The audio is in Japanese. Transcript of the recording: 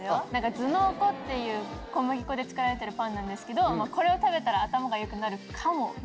頭脳粉っていう小麦粉で作られてるパンなんですけどこれを食べたら頭が良くなるかもみたいな。